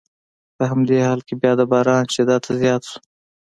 په همدې حال کې بیا د باران شدت زیات شو.